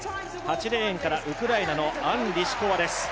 ８レーンからウクライナのアン・リシコワです。